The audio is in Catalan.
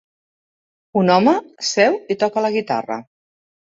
Un home seu i toca la guitarra.